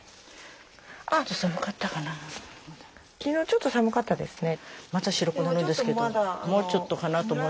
昨日ちょっと寒かったですね。